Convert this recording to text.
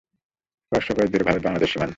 কয়েক শ গজ দূরে ভারত-বাংলাদেশ সীমান্ত।